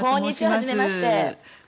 はじめまして。